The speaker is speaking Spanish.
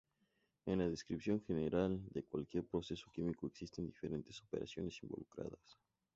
En la descripción general de cualquier proceso químico existen diferentes operaciones involucradas.